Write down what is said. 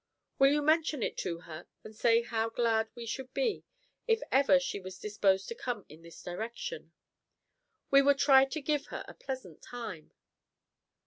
Will you mention it to her, and say how glad we should be if ever she was disposed to come in this direction? We would try to give her a pleasant time.